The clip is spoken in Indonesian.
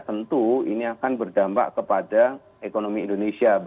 tentu ini akan berdampak kepada ekonomi indonesia